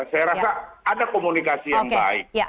saya rasa ada komunikasi yang baik